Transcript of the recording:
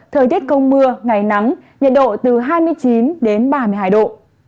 thời tiết không mưa ngày nắng nhiệt độ từ hai mươi chín đến ba mươi hai độ